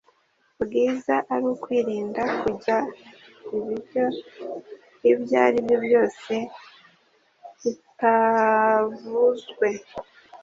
bwiza ari ukwirinda kurya ibiryo ibyo aribyo byose bitavuzwe